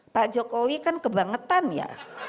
pak jokowi kan kebangetan ya